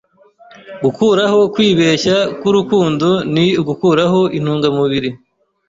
Gukuraho kwibeshya k'urukundo ni ugukuraho intungamubiri.